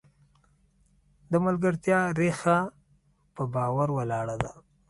د ملګرتیا ریښه په باور ولاړه ده.